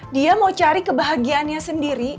dia mau cari kebahagiaannya sendiri